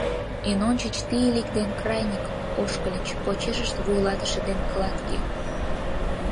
Эн ончыч Тиилик ден Краних ошкыльыч, почешышт вуйлатыше ден клатге.